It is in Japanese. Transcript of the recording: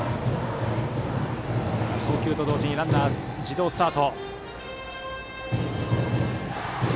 さあ、ここは投球と同時にランナーは自動スタート。